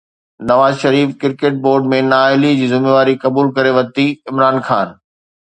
Nawaz Sharif cricket board ۾ نااهلي جي ذميواري قبول ڪري ورتي، عمران خان